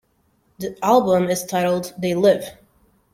The album is titled 'They Live!